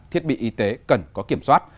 thiết bị y tế cần có kiểm soát